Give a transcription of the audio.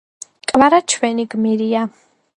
კვარა ჩვენი გმირია